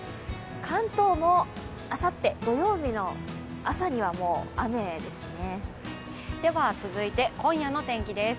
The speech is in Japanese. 関東もあさって、土曜日の朝には雨ですね。